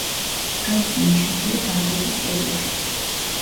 მსგავსი ნიშებია დარბაზის კედლებშიც.